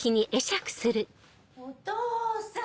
・お父さん！